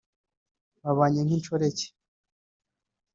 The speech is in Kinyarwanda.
“Babanye nk’inshoreke